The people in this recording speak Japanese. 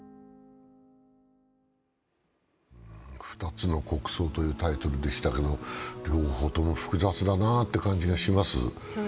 「２つの国葬」というタイトルでしたけど両方とも複雑だなって感じがします。